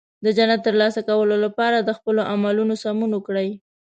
د جنت ترلاسه کولو لپاره د خپل عملونو سمون وکړئ.